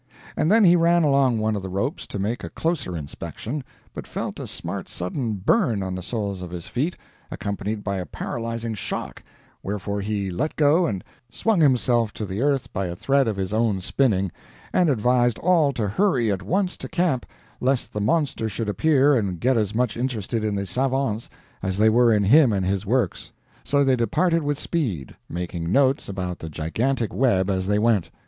And then he ran along one of the ropes to make a closer inspection, but felt a smart sudden burn on the soles of his feet, accompanied by a paralyzing shock, wherefore he let go and swung himself to the earth by a thread of his own spinning, and advised all to hurry at once to camp, lest the monster should appear and get as much interested in the savants as they were in him and his works. So they departed with speed, making notes about the gigantic web as they went.